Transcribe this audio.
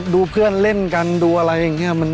เพื่อนเล่นกันดูอะไรอย่างนี้